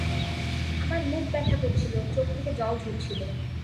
আমার মুখ ব্যথা করছিল, চোখ থেকে জল ঝরছিল।